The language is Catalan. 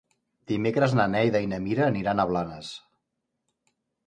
Dimecres na Neida i na Mira aniran a Blanes.